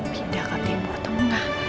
pindah ke timur tengah